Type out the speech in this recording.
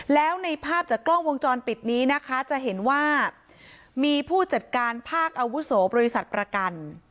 แล้วในภาพจากกล้องวงจรปิดนี้นะคะจะเห็นว่ามีผู้จัดการภาคอาวุโสบริษัทประกัน